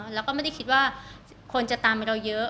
แล้วก็ไม่ได้คิดว่าคนจะตามไปเราเยอะ